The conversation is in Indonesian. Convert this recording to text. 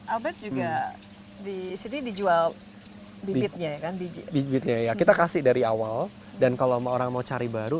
albert juga di sini dijual bibitnya ya kan kita kasih dari awal dan kalau orang mau cari baru